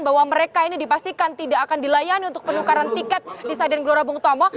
bahwa mereka ini dipastikan tidak akan dilayani untuk penukaran tiket di stadion gelora bung tomo